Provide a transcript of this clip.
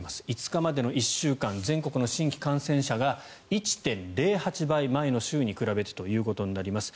５日までの１週間全国の新規感染者が１．０８倍前の週に比べてということになります。